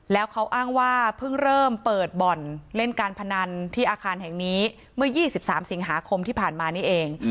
แล้วเขาอ้างว่าเพิ่งเริ่มเปิดบ่อนเล่นการพนันที่อาคารแห่งนี้เมื่อ๒๓สิงหาคมที่ผ่านมานี่เอง